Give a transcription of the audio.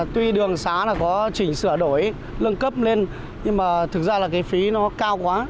tuy đường xá là có chỉnh sửa đổi lân cấp lên nhưng mà thực ra là cái phí nó cao quá